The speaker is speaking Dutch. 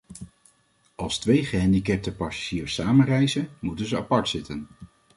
Als twee gehandicapte passagiers samen reizen, moeten ze apart zitten.